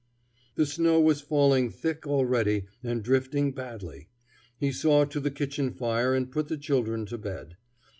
The snow was falling thick already and drifting badly. He saw to the kitchen fire and put the children to bed.